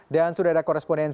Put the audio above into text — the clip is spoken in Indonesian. dan sudah ada koresponsornya